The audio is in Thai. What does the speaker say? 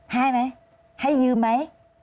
ให้ไหมให้ยืมไหม